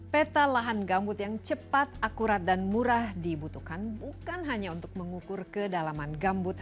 peta lahan gambut yang cepat akurat dan murah dibutuhkan bukan hanya untuk mengukur kedalaman gambut